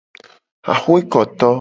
Axwekoto.